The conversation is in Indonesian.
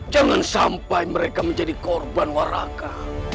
jangan sampai mereka menjadi korban waraka